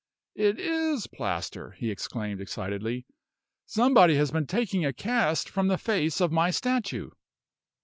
"It is plaster!" he exclaimed, excitedly. "Somebody has been taking a cast from the face of my statue!"